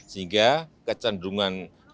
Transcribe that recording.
sehingga kecenderungan produksi